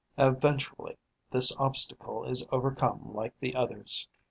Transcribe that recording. Eventually, this obstacle is overcome like the others.